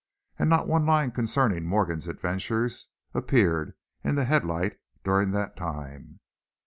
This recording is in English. And not one line concerning Morgan's adventures appeared in the Headlight during that time.